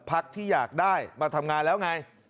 พักที่อยากได้มาทำงานแล้วไง